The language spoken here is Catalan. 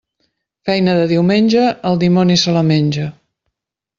Feina de diumenge, el dimoni se la menja.